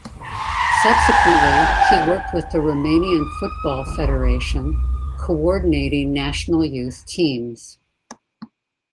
Subsequently he worked with the Romanian Football Federation, coordinating national youth teams.